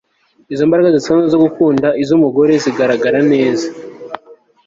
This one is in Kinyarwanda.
izo mbaraga zidasanzwe zo gukunda iz'umugore zigaragara neza